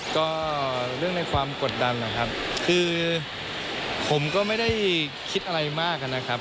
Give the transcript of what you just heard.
ก็เรื่องในความกดดันนะครับคือผมก็ไม่ได้คิดอะไรมากนะครับ